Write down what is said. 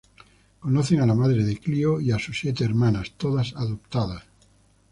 Conocen a la madre de Clío y a sus siete hermanas, todas adoptadas.